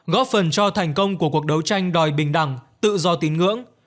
góp phần cho thành công của cuộc đấu tranh đòi bình đẳng tự do tín ngưỡng